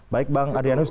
baik bang adrianus